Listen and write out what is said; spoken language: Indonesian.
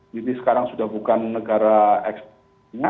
jadi sekarang sudah bukan negara ekspor